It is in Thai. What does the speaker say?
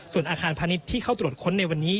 ส่วนอาคารพาณิชย์ที่เข้าตรวจค้นในวันนี้